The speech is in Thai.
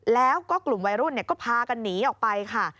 แล้วก็กลุ่มวัยรุ่นก็พากันหนีออกไปค่ะ